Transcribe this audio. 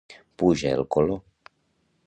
Pujar el color.